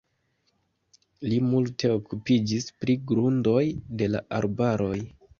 Li multe okupiĝis pri grundoj de la arbaroj.